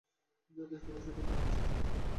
যা দেখতে পাই, সেটাতেই আমি বিশ্বাস করি।